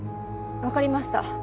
わかりました。